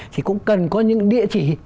thì cũng cần có những địa chỉ